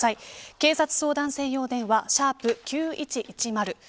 警察相談専用電話＃９１１０